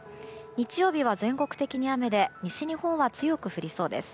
日曜日は全国的に雨で西日本は強く降りそうです。